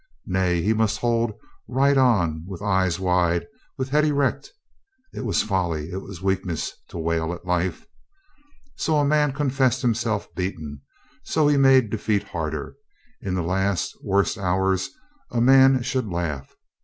Nay, he must hold right on with eyes wide, with head erect. .. It was folly, it was weakness, to wail at life. So a man confessed himself beaten, so he made defeat harder. In the last, worst hours a man should laugh.